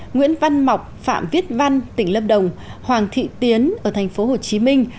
nguyễn văn mọc phạm viết văn tỉnh lâm đồng hoàng thị tiến ở thành phố hồ chí minh